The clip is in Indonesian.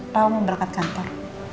papa mau berangkat kantor